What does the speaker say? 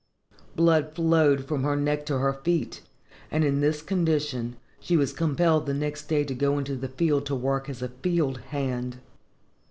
Blood flowed from her neck to her feet, and in this condition she was compelled the next day to go into the field to work as a field hand.